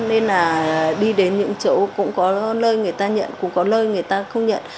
nên là đi đến những chỗ cũng có lơi người ta nhận cũng có lơi người ta không nhận